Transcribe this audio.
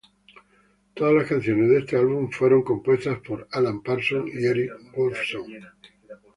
Todas las canciones de este álbum fueron compuestas por Alan Parsons y Eric Woolfson.